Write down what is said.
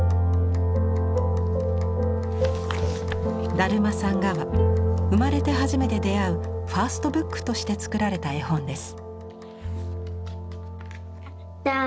「だるまさんが」は生まれて初めて出会うファーストブックとして作られた絵本です。